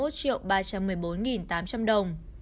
đó là hai trăm hai mươi một ba trăm một mươi bốn tám trăm linh đồng